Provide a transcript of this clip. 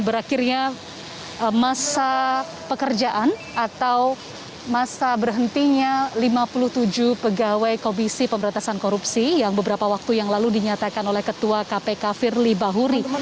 berakhirnya masa pekerjaan atau masa berhentinya lima puluh tujuh pegawai komisi pemberantasan korupsi yang beberapa waktu yang lalu dinyatakan oleh ketua kpk firly bahuri